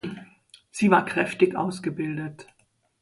Sie war kräftig ausgebildet.